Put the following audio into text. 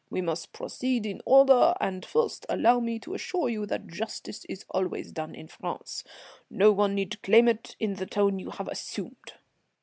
_ We must proceed in order, and first allow me to assure you that justice is always done in France. No one need claim it in the tone you have assumed."